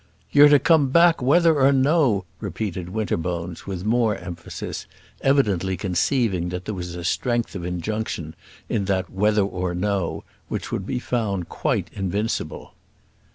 "You're to come back, whether or no," repeated Winterbones, with more emphasis, evidently conceiving that there was a strength of injunction in that "whether or no" which would be found quite invincible.